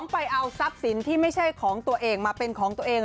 ไปเอาทรัพย์สินที่ไม่ใช่ของตัวเองมาเป็นของตัวเอง